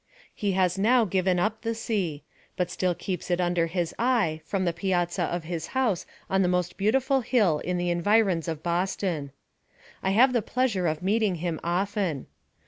He has now given up the sea, but still keeps it under his eye, from the piazza of his house on the most beautiful hill in the environs of Boston. I have the pleasure of meeting him often.